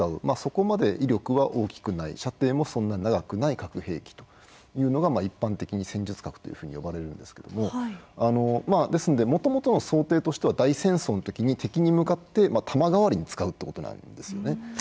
まあそこまで威力は大きくない射程もそんなに長くない核兵器というのが一般的に戦術核というふうに呼ばれるんですけどもまあですのでもともとの想定としては大戦争のときに敵に向かって弾代わりに使うってことなんですよね。